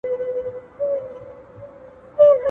ړانده وویل بچی د ځناور دی ..